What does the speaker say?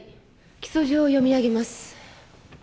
起訴状を読み上げます。